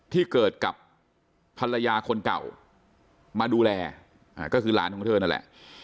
ที่เกิดกับภรรยาคนเก่ามาดูแลก็คือหลานของเธอนั่นแหละ